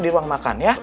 di ruang makan ya